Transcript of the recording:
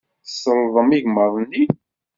Tselḍem igmaḍ-nni.